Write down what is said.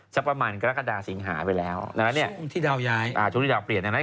จะประมาณกระดาษสิงหาไปแล้วในพอเนี่ยช่วงที่ดาวเปลี่ยนช่วงที่ดาวย้าย